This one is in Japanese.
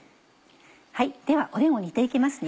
ではおでんを煮て行きますね。